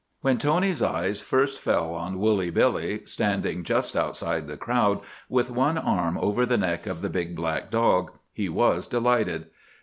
When Tony's eyes first fell on Woolly Billy, standing just outside the crowd, with one arm over the neck of the big black dog, he was delighted.